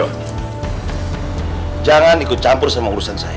jangan ikut campur sama urusan saya